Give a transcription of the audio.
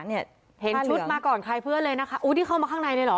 เห็นชุดมาก่อนใครเพื่อนเลยนะคะอุ้ยที่เข้ามาข้างในเลยเหรอ